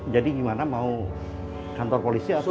jadi gimana mau kantor polisi atau